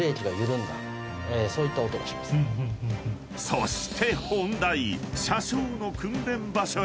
［そして本題］あ。